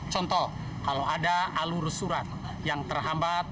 contoh kalau ada alur surat yang terhambat